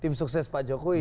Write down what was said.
tim sukses pak jokowi